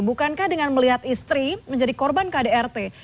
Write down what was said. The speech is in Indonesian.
bukankah dengan melihat istri menjadi korban kdrt